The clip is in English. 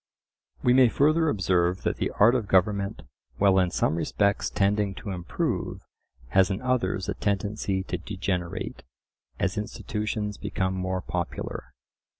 We may further observe that the art of government, while in some respects tending to improve, has in others a tendency to degenerate, as institutions become more popular.